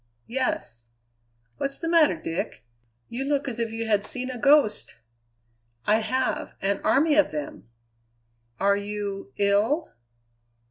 "Yes." "What's the matter, Dick? You look as if you had seen a ghost." "I have. An army of them." "Are you ill?"